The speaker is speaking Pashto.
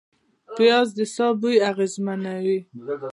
پیاز د ساه بوی اغېزمنوي